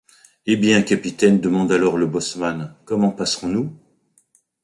Eh bien, capitaine, demande alors le bosseman, comment passerons-nous ?